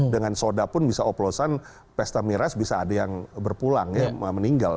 dengan soda pun bisa oplosan pesta miras bisa ada yang berpulang ya meninggal